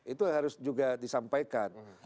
itu harus juga disampaikan